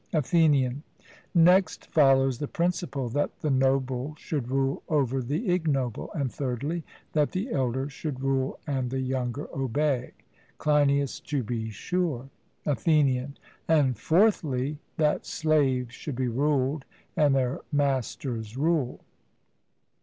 ATHENIAN: Next follows the principle that the noble should rule over the ignoble; and, thirdly, that the elder should rule and the younger obey? CLEINIAS: To be sure. ATHENIAN: And, fourthly, that slaves should be ruled, and their masters rule?